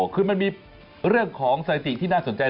คือมันมีเรื่องของสถิติที่น่าสนใจ